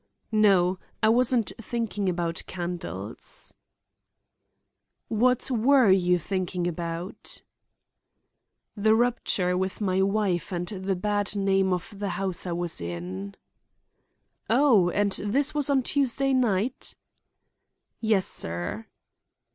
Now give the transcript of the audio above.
"No. I wasn't thinking about candles." "What were you thinking about?" "The rupture with my wife and the bad name of the house I was in." "Oh! and this was on Tuesday night?" "Yes, sir."